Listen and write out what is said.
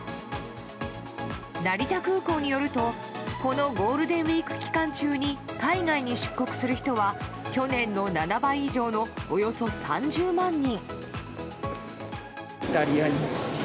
成田空港によるとこのゴールデンウィーク期間中に海外に出国する人は去年の７倍以上のおよそ３０万人。